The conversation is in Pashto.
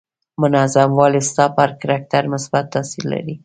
منظم والی ستا پر کرکټر مثبت تاثير لري.